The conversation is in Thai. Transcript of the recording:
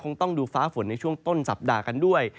ต้องดูฟ้าฝนในช่วงต้นสัปดาห์กันด้วย